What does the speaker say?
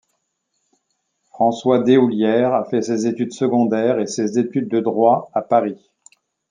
François Deshoulières a fait ses études secondaires et ses études de droit à Paris.